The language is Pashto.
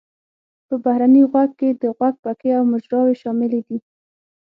په بهرني غوږ کې د غوږ پکې او مجراوې شاملې دي.